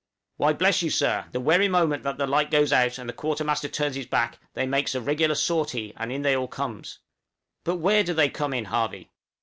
"Why, bless you, Sir, the wery moment that there light goes out, and the quartermaster turns his back, they makes a regular sort_ee_, and in they all comes." "But where do they come in, Harvey?"